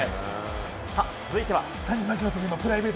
続いては。